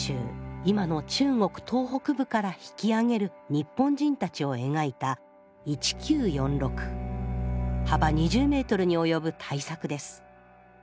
今の中国東北部から引き揚げる日本人たちを描いた幅２０メートルに及ぶ大作です。